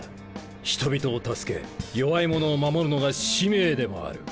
人々を助け弱い者を守るのが使命でもある。